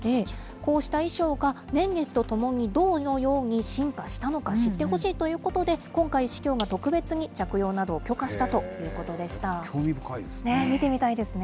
こうした衣装が年月とともにどのように進化したのか知ってほしいということで、今回、司教が特別に着用などを許可したという興味深いですね。